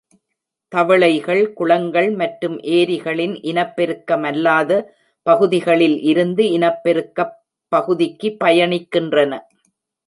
தவளைகள் குளங்கள் மற்றும் ஏரிகளின் இனப்பெருக்கமல்லாத பகுதிகளில் இருந்து இனப்பெருக்கப் பகுதிக்கு பயணிக்கின்றன.